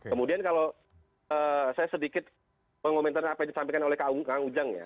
kemudian kalau saya sedikit mengomentari apa yang disampaikan oleh kang ujang ya